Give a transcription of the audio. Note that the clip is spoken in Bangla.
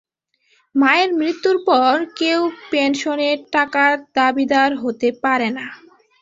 মায়ের মৃত্যুর পর আর কেউ পেনশনের টাকার দাবিদার হতে পারে না।